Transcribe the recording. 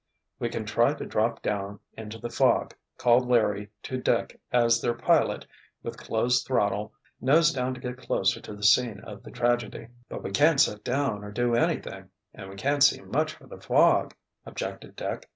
"We can try to drop down into the fog," called Larry to Dick as their pilot, with closed throttle, nosed down to get closer to the scene of the tragedy. "But we can't set down or do anything—and we can't see much for the fog," objected Dick.